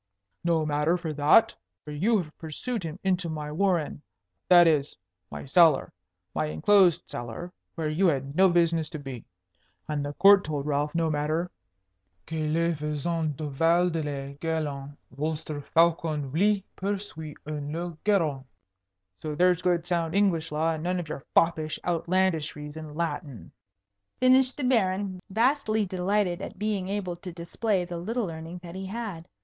"No matter for that; for you have pursued him into my warren, that is, my cellar, my enclosed cellar, where you had no business to be. And the Court told Ralph no matter 'que le feisant leva hors de le garrein, vostre faucon luy pursuy en le garrein.' So there's good sound English law, and none of your foppish outlandishries in Latin," finished the Baron, vastly delighted at being able to display the little learning that he had.